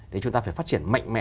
thế chúng ta phải phát triển mạnh mẽ